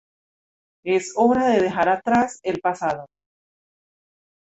Es hora de dejar atrás el pasado.